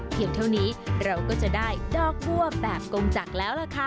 เท่านี้เราก็จะได้ดอกบัวแบบกงจักรแล้วล่ะค่ะ